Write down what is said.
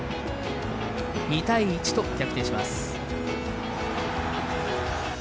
２対１と逆転します。